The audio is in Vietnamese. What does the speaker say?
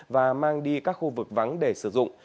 và mang đi các khu vực vắng để sử dụng